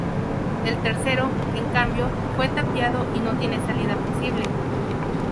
El tercero, en cambio, fue tapiado y no tiene salida posible.